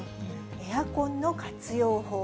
エアコンの活用法。